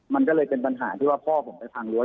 มันก็เลยเป็นปัญหาที่ว่าพ่อผมไปพังรั้